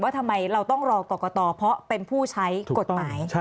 ทำไมเราต้องรอกรกตเพราะเป็นผู้ใช้กฎหมาย